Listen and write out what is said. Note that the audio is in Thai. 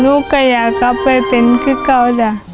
ลูกก็อยากกลับไปเป็นเขา